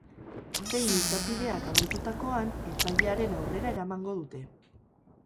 Behin izapideak amaitutakoan, epailearen aurrera eramango dute.